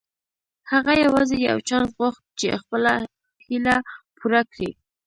هغه يوازې يو چانس غوښت چې خپله هيله پوره کړي.